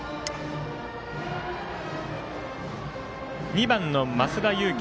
２番の増田有紀。